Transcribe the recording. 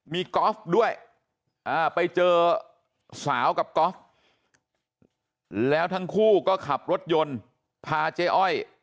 มีกอล์ฟด้วยไปเจอสาวกับก๊อฟแล้วทั้งคู่ก็ขับรถยนต์พาเจ๊อ้อย